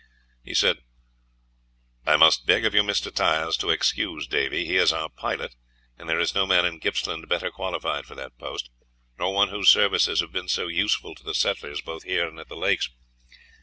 He said: "I must beg of you, Mr. Tyers, to excuse Davy. He is our pilot, and there is no man in Gippsland better qualified for that post, nor one whose services have been so useful to the settlers both here and at the lakes.